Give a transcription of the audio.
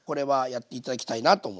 はい。